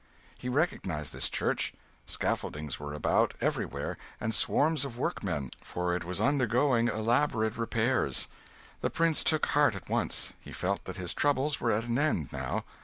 He recognised this church. Scaffoldings were about, everywhere, and swarms of workmen; for it was undergoing elaborate repairs. The prince took heart at once he felt that his troubles were at an end, now.